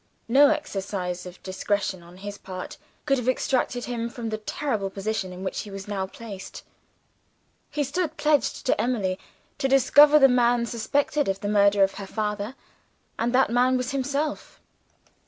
No exercise of discretion, on his part, could have extricated him from the terrible position in which he was now placed. He stood pledged to Emily to discover the man suspected of the murder of her father; and that man was himself!